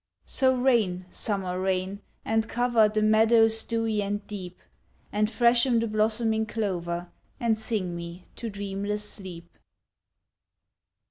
So rain, Summer Rain, and cover The meadows dewy and deep, And freshen the blossoming clover, And sing me to dreamless sleep.